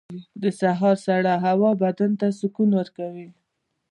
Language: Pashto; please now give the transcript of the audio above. • د سهار سړه هوا بدن ته سکون ورکوي.